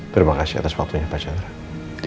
terima kasih atas waktunya pak chandra